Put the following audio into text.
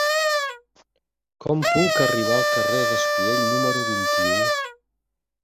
Com puc arribar al carrer d'Espiell número vint-i-u?